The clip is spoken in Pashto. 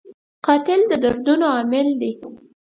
قاتل د دردونو عامل دی